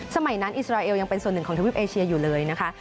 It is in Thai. สมัยนั้นอิสราเอลยังเป็นส่วนหนึ่งของทวีปเอเชียอยู่เลยนะคะ